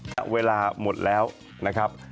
และเวลาหมดแล้วนะครับ